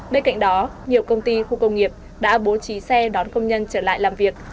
bên cạnh đó nhiều công ty khu công nghiệp đã bố trí xe đón công nhân trở lại làm việc